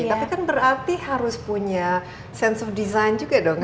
tapi kan berarti harus punya sense of design juga dong